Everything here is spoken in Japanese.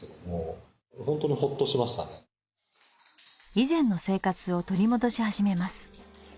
以前の生活を取り戻し始めます。